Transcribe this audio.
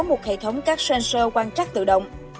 một hệ thống các sensor quan trắc tự động